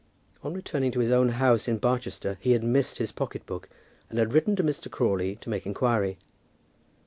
On returning to his own house in Barchester he had missed his pocket book, and had written to Mr. Crawley to make inquiry.